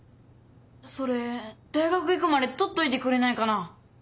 それ大学行くまで取っといてくれないかな？